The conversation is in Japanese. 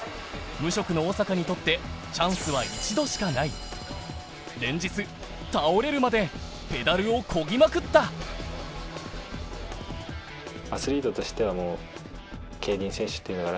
無職の小坂にとってチャンスは一度しかない連日倒れるまでペダルをこぎまくったこれで。